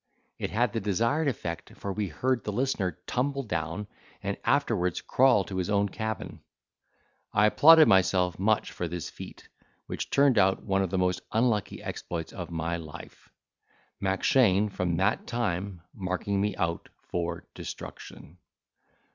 It had the desired effect, for we heard the listener tumble down, and afterwards crawl to his own cabin. I applauded myself much for this feat, which turned out one of the most unlucky exploits of my life, Mackshane, from that time, marking me out for destruction.